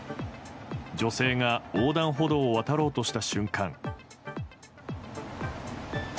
女性が横断歩道を渡ろうとした瞬間。